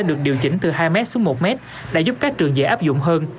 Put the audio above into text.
điều chỉnh từ hai mét xuống một mét đã giúp các trường dễ áp dụng hơn